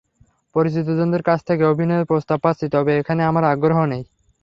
পরিচিতজনদের কাছ থেকে অভিনয়ের প্রস্তাব পাচ্ছি, তবে এখানে আমার আগ্রহ নেই।